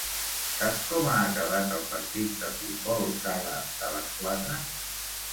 Saps com ha acabat el partit de futbol sala de les quatre?